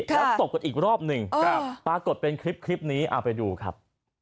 แล้วตบกันอีกรอบหนึ่งปรากฏเป็นคลิปนี้เอาไปดูครับ